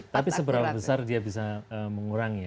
tapi seberapa besar dia bisa mengurangi